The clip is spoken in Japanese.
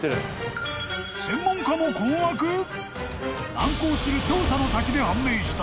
［難航する調査の先で判明した］